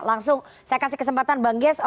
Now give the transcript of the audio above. langsung saya kasih kesempatan bang ges